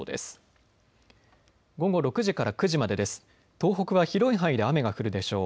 東北は広い範囲で雨が降るでしょう。